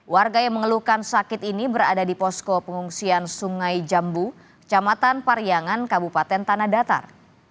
warga yang mengeluhkan sakit ini berada di posko pengungsian sungai jambu kecamatan pariangan kabupaten tanah datar